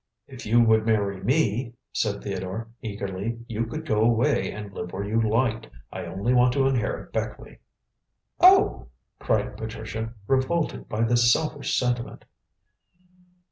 "If you would marry me," said Theodore eagerly, "you could go away and live where you liked. I only want to inherit Beckleigh." "Oh!" cried Patricia, revolted by this selfish sentiment.